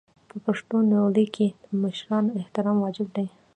په پښتونولۍ کې د مشرانو احترام واجب دی.